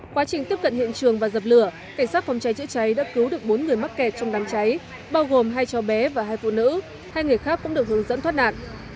quá trình tiếp cận hiện trường và dập lửa cảnh sát phòng cháy chữa cháy đã cứu được bốn người mắc kẹt trong đám cháy bao gồm hai cháu bé và hai phụ nữ hai người khác cũng được hướng dẫn thoát nạn